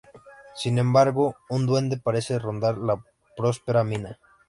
Sin embargo, un duende parece rondar la próspera mina.